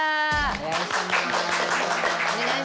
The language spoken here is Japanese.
お願いします。